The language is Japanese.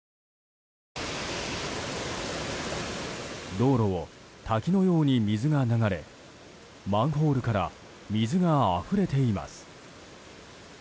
道路を滝のように水が流れマンホールから水があふれています。